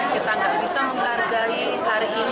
kita nggak bisa menghargai hari ini